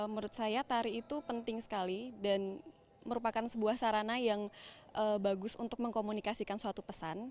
menurut saya tari itu penting sekali dan merupakan sebuah sarana yang bagus untuk mengkomunikasikan suatu pesan